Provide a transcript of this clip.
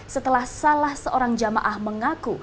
setelah salah seorang jamaah mengaku